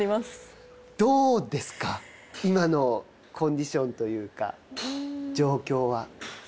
どうですか、今のコンディションというか、状況は。